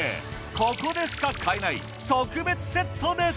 ここでしか買えない特別セットです！